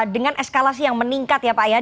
dengan eskalasi yang meningkat ya pak ya